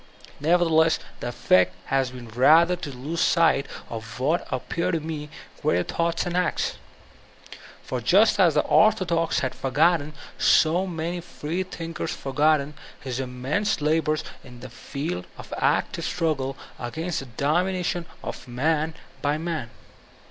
Nevertheless the effect has been rather to k)se sight of what appear to me greater thoughts and acts. For just as the orthodox have forgotten, so have many freethinkers foigotten, his immense labors in the field of active strug gle against the domination of man by man.